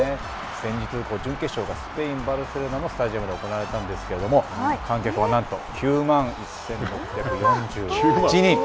先日、準決勝がスペイン・バルセロナのスタジアムで行われたんですけども観客はなんと９万１６４８人！